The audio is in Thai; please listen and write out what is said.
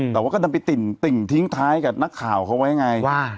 แต่ว่าก็ดันไปติ่งทิ้งท้ายกับนักข่าวเขาไว้ไงว่า